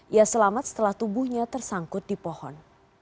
ia selamat setelah tubuhnya tersangkut di pohon